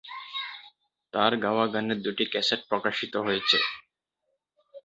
তার গাওয়া গানের দুটি ক্যাসেট প্রকাশিত হয়েছে।।